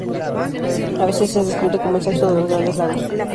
A veces es descrito como el sexto de los Grandes Lagos.